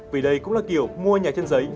vì đây cũng là kiểu mua nhà trên giấy